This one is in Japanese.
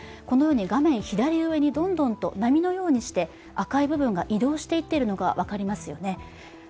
このように画面左上にどんどんと波のように赤い部分が移動していってるのが分かりますよね。